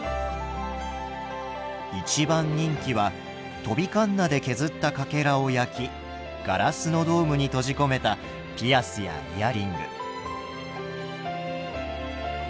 一番人気は飛びかんなで削ったかけらを焼きガラスのドームに閉じ込めたピアスやイヤリング。